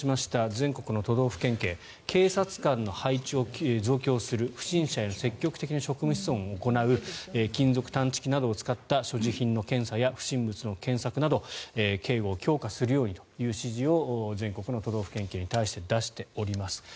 全国の都道府県警警察官の配置を増強する不審者への積極的な職務質問を行う金属探知機などを使った所持品の検査や不審物の検索など警護を強化するようにという指示を全国の都道府県警に出しております。